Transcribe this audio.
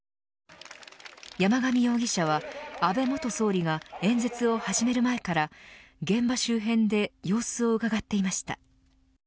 山上容疑者は安倍元総理が演説を始める前から現場周辺で様子をうかがっていました。